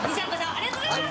ありがとうございます！